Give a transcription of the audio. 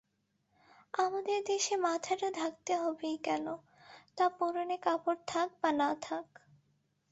আমাদের দেশে মাথাটা ঢাকতে হবেই হবে, তা পরনে কাপড় থাক বা না থাক।